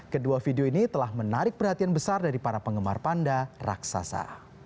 kedua video ini telah menarik perhatian besar dari para penggemar panda raksasa